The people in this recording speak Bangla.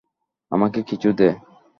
আমাকে কিছু দে।